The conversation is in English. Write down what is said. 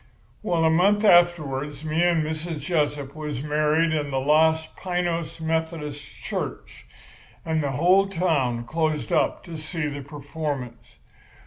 "Well, a month afterwards me and Mrs. Jessup was married in the Los Piños Methodist Church; and the whole town closed up to see the performance.